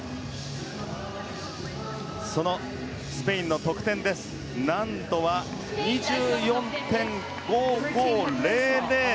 そのスペインの得点難度は２４．５５００。